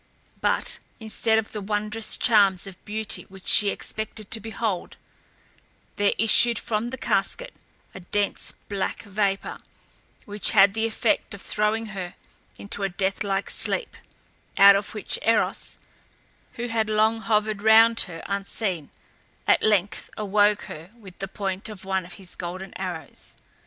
But, instead of the wondrous charms of beauty which she expected to behold, there issued from the casket a dense black vapour, which had the effect of throwing her into a death like sleep, out of which Eros, who had long hovered round her unseen, at length awoke her with the point of one of his golden arrows.